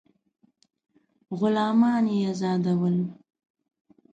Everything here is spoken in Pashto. غلامان یې آزادول.